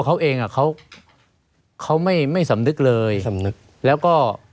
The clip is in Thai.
ไม่มีครับไม่มีครับ